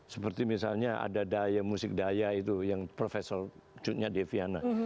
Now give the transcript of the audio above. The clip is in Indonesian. seperti misalnya ada daya musik daya itu yang profesor cutnya deviana